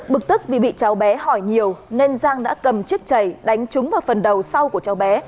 bực tức vì bị cháu bé hỏi nhiều nên giang đã cầm chiếc chầy đánh trúng vào phần đầu sau của cháu bé